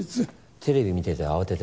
テレビ見てて慌てて。